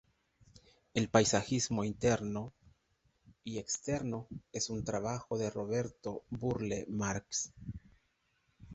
El paisajismo interno y externo es un trabajo de Roberto Burle Marx.